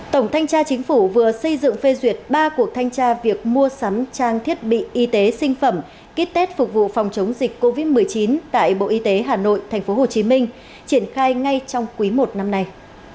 tổng thanh tra chính phủ vừa xây dựng phê duyệt ba cuộc thanh tra việc mua sắm trang thiết bị y tế sinh phẩm ký tết phục vụ phòng chống dịch covid một mươi chín tại bộ y tế hà nội tp hcm triển khai ngay trong quý i năm nay